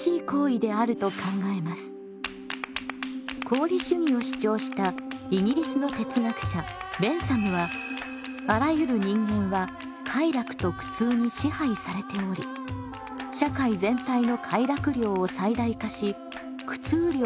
功利主義を主張したイギリスの哲学者ベンサムはあらゆる人間は快楽と苦痛に支配されており社会全体の快楽量を最大化し苦痛量を最小化するのが「正しい」